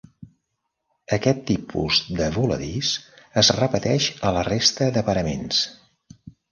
Aquest tipus de voladís es repeteix a la resta de paraments.